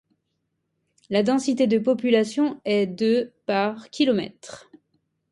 La densité de population est de par km.